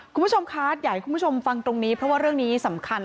คุณผู้ชมคะอยากให้คุณผู้ชมฟังตรงนี้เพราะว่าเรื่องนี้สำคัญ